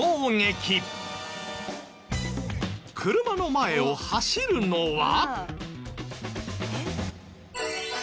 車の前を走るのは。